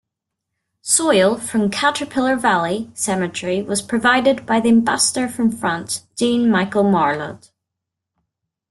Soil from Caterpillar Valley Cemetery was provided by the Ambassador from France, Jean-Michel Marlaud.